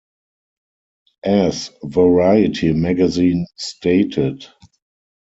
As "Variety" magazine stated, "...